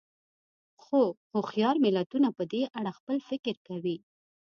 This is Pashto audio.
خو هوښیار ملتونه په دې اړه خپل فکر کوي.